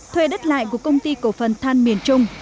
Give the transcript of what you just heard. thuê đất lại của công ty cổ phần than miền trung